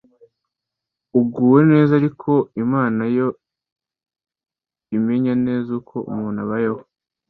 uguwe neza ariko Imana yo imenya neza uko umuntu abayeho